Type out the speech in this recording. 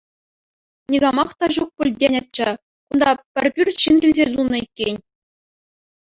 Никамах та ҫук пуль тенӗччӗ — кунта пӗр пӳрт ҫын килсе тулнӑ иккен!